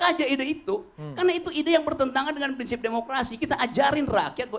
aja ide itu karena itu ide yang bertentangan dengan prinsip demokrasi kita ajarin rakyat buat